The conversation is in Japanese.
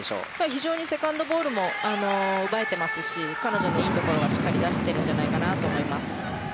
非常にセカンドボールも奪えていますし彼女のいいところはしっかり出していると思います。